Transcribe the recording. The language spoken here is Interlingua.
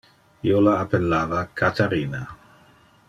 Io la appellava Catharina.